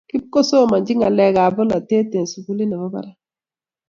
Kipkosomonchi ngalek ab polatet eng sukulit nebo parak